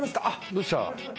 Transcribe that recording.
どうした？